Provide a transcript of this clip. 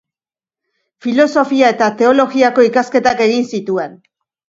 Filosofia eta teologiako ikasketak egin zituen.